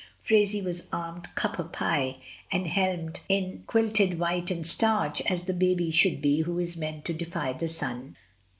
Phraisie was armed cap H pie and helmed in quilted white and starch as a baby should be who is meant to defy the sun.